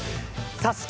「ＳＡＳＵＫＥ」